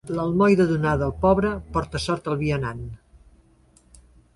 L'almoina donada al pobre porta sort al vianant.